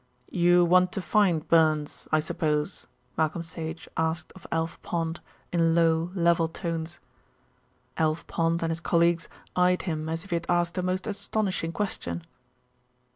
"You want to find Burns, I suppose?" Malcolm Sage asked of Alf Pond, in low, level tones. Alf Pond and his colleagues eyed him as if he had asked a most astonishing question.